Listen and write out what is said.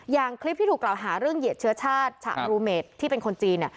อย่างคลิปที่ถูกกล่าวหาเรื่องเหยียดเชื้อชาติฉะบรูเมดที่เป็นคนจีน